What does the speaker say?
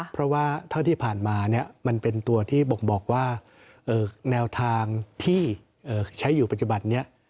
เพราะว่าเท่าที่ผ่านมามันเป็นตัวที่บ่งบอกว่าแนวทางที่ใช้อยู่ปัจจุบันนี้